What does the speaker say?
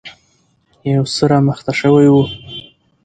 يو څه رامخته شوی و.